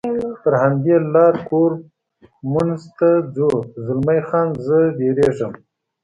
پر همدې لار کورمونز ته ځو، زلمی خان: زه وېرېږم.